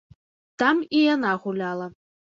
Там і яна гуляла.